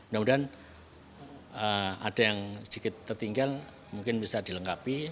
mudah mudahan ada yang sedikit tertinggal mungkin bisa dilengkapi